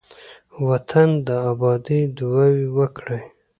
وطن ته د آبادۍ دعاوې وکړئ.